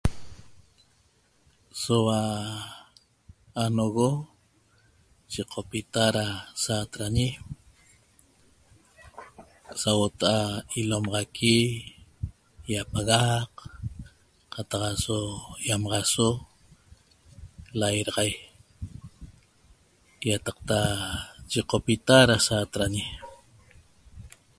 Soaua anogo yecopita ra saatrañi sauota'a ilomaxaqui iapagaq qataq aso iamaxaso lairaxai iataqta yicopita ra saatrañi